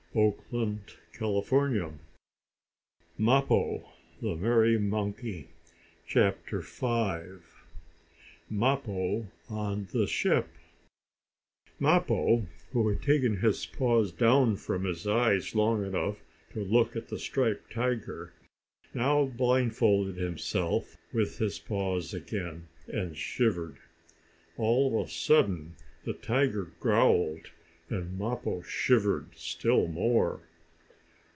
Oh!" thought poor Mappo. "He'll get me sure!" CHAPTER V MAPPO ON THE SHIP Mappo, who had taken his paws down from his eyes long enough to look at the striped tiger, now blind folded himself, with his paws again, and shivered. All of a sudden the tiger growled, and Mappo shivered still more.